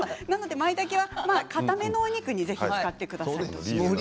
なのでまいたけはかためのお肉に是非使ってください。